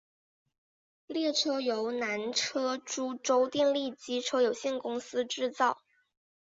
列车由南车株洲电力机车有限公司制造。